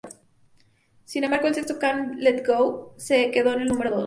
Sin embargo, el sexto, "Can't Let Go", se quedó en el número dos.